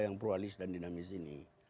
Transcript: yang pluralis dan dinamis ini